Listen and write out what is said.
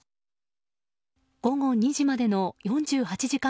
午後２時までの４８時間